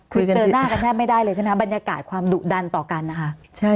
คือเดินหน้ากันแทบไม่ได้เลยใช่ไหมบรรยากาศความดุดันต่อกันนะคะ